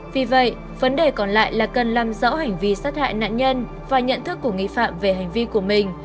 vì vậy vấn đề còn lại là cần làm rõ hành vi sát hại nạn nhân và nhận thức của nghi phạm về hành vi của mình